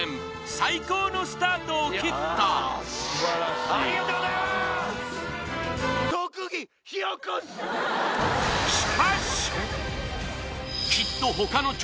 最高のスタートを切ったよし！